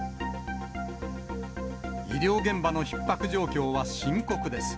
医療現場のひっ迫状況は深刻です。